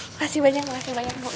makasih banyak makasih banyak bu